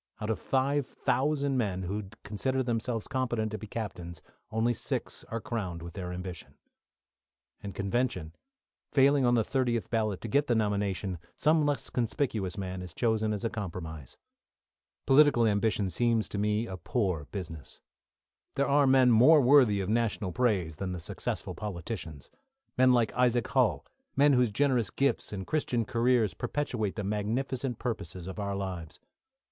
Out of five thousand men, who consider themselves competent to be captains, only six are crowned with their ambition. And these six are not generally the men who had any prospect of becoming the people's choice. The two political chiefs in convention, failing on the thirtieth ballot to get the nomination, some less conspicuous man is chosen as a compromise. Political ambition seems to me a poor business. There are men more worthy of national praise than the successful politicians; men like Isaac Hull; men whose generous gifts and Christian careers perpetuate the magnificent purposes of our lives.